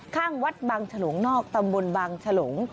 ข้างวัดบางฉลงนอกตำบลบางฉลง